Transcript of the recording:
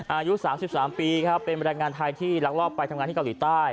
อายุ๓๓ปีเป็นบรรยายงานไทยที่รักรอบไปทำงานที่เกาหลีใต้